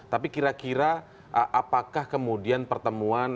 tapi kira kira apakah kemudian pertemuan